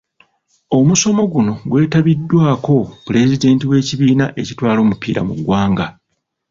Omusomo guno gwetabiddwako pulezidenti w'ekibiina ekitwala omupiira mu ggwanga